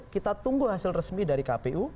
kita tunggu hasil resmi dari kpu